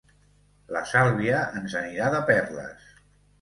La Sàlvia ens anirà de perles.